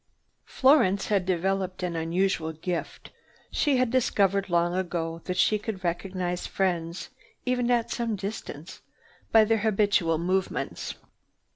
Florence had developed an unusual gift. She had discovered long ago that she could recognize friends, even at some distance, by their habitual movements.